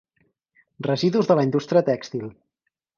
Residus de la indústria tèxtil.